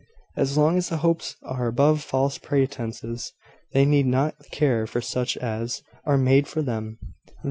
"As long as the Hopes are above false pretences, they need not care for such as are made for them.